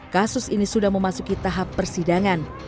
kasus ini sudah memasuki tahap persidangan